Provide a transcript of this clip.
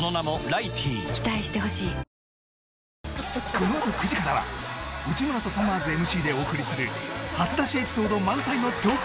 この後９時からは内村とさまぁずＭＣでお送りする初出しエピソード満載のトーク